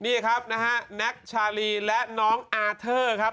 นี่ครับนะฮะแน็กชาลีและน้องอาเทอร์ครับ